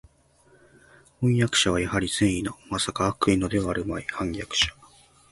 飜訳者はやはり善意の（まさか悪意のではあるまい）叛逆者